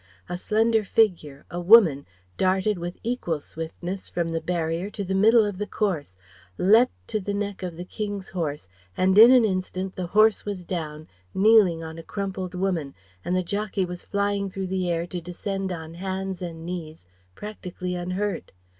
a slender figure, a woman, darted with equal swiftness from the barrier to the middle of the course, leapt to the neck of the King's horse, and in an instant, the horse was down, kneeling on a crumpled woman, and the jockey was flying through the air to descend on hands and knees practically unhurt.